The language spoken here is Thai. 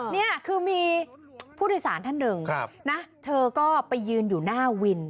นี่คือมีผู้โดยสารท่านหนึ่งนะเธอก็ไปยืนอยู่หน้าวิน